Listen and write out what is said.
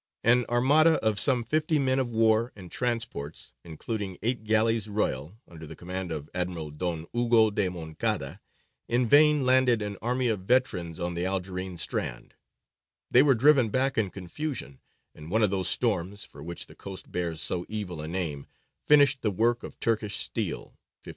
An armada of some fifty men of war and transports, including eight galleys royal, under the command of Admiral Don Hugo de Moncada, in vain landed an army of veterans on the Algerine strand they were driven back in confusion, and one of those storms, for which the coast bears so evil a name, finished the work of Turkish steel (1519).